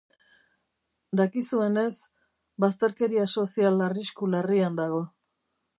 Dakizuenez, bazterkeria sozial arrisku larrian dago.